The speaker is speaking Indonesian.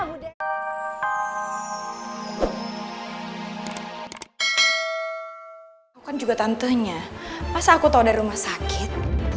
aku kan juga tantenya masa aku tahu dari rumah sakit